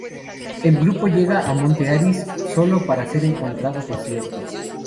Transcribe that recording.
El grupo llega al Monte Aris, sólo para encontrarlo desierto.